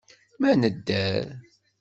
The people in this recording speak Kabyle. Ma nedder.